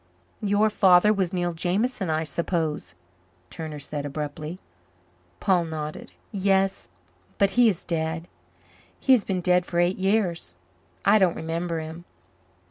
"Your father was Neil Jameson, I suppose?" Turner said abruptly. Paul nodded. "Yes, but he is dead. He has been dead for eight years. I don't remember him."